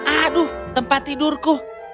aduh tempat tidurku